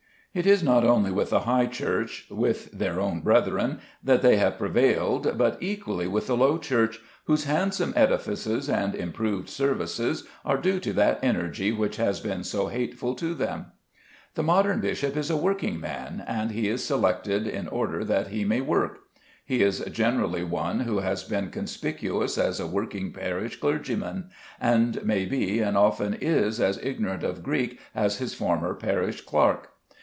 It is not only with the High Church, with their own brethren, that they have prevailed, but equally with the Low Church, whose handsome edifices and improved services are due to that energy which has been so hateful to them. The modern bishop is a working man, and he is selected in order that he may work. He is generally one who has been conspicuous as a working parish clergyman, and may be and often is as ignorant of Greek as his former parish clerk.